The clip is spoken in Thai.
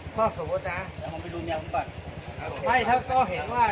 ให้ผมไปดูแมวของเจ้า